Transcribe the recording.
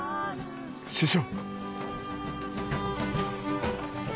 師匠。